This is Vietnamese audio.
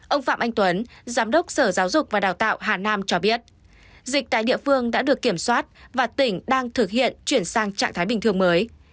ông phạm anh tuấn giám đốc sở giáo dục và đào tạo hà nam cho biết dịch tại địa phương đã được kiểm soát và tỉnh đang thực hiện chuyển sang trạng thái bình thường mới